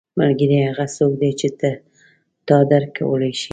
• ملګری هغه څوک دی چې تا درک کولی شي.